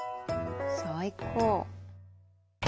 最高。